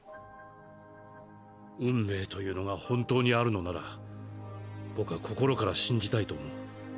運命というのが本当にあるのなら僕は心から信じたいと思う。